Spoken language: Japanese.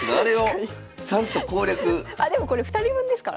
あでもこれ２人分ですから。